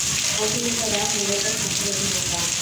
অভিনেতারা মূলত শখের অভিনেতা।